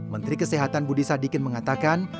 menteri kesehatan budi sadikin mengatakan